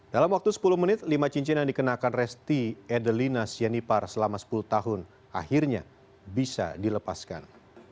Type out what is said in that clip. dalam waktu sepuluh menit lima cincin yang dikenakan resti edelina sianipar selama sepuluh tahun akhirnya bisa dilepaskan